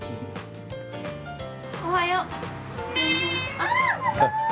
おはよう。